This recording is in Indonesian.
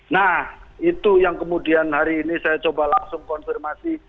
nah itu yang kemudian hari ini saya coba langsung konfirmasi